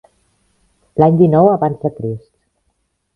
L'any dinou abans de Crist.